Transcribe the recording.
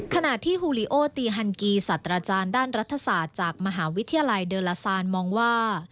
ขณะที่ฮูลิโอตีฮันกีสัตว์อาจารย์ด้านรัฐศาสตร์จากมหาวิทยาลัยเดอร์ลาซานมองว่า